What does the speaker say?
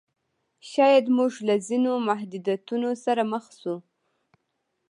شاید موږ له ځینو محدودیتونو سره مخ شو.